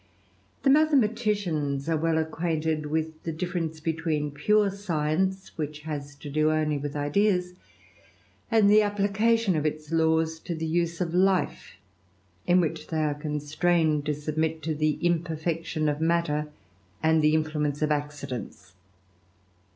The mathematicians are well acquainted with the ference between pure science, which has to do only with idi and the application of its laws to the use of life, in wl they are constrained to submit to the imperfection of ma and the influence of accidents.